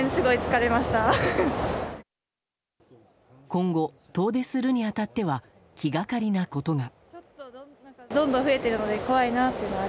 今後、遠出するに当たっては気がかりなことが。